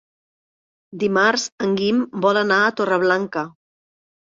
Dimarts en Guim vol anar a Torreblanca.